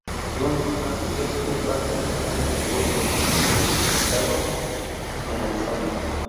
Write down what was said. Johns, al sureste del Parque nacional del Bosque Petrificado en Arizona.